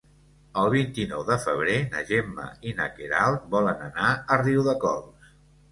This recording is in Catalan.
El vint-i-nou de febrer na Gemma i na Queralt volen anar a Riudecols.